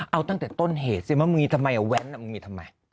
เอาตั้งแต่ต้นเหตุสิว่ามึงมีทำไมแว้นมึงมีทำไม